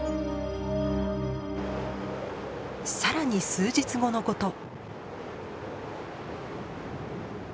更に数日後のこと。